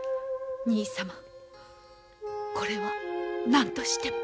二位様これは何としても。